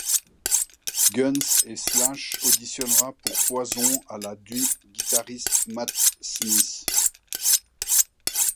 Guns et Slash auditionnera pour Poison à la du guitariste Matt Smith.